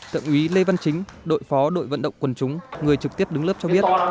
thượng úy lê văn chính đội phó đội vận động quần chúng người trực tiếp đứng lớp cho biết